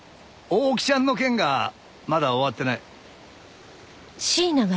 大木ちゃんの件がまだ終わってない。